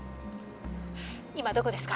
今どこですか？